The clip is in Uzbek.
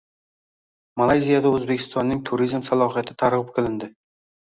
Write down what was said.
Malayziyada Oʻzbekistonning turizm salohiyati targʻib qilindi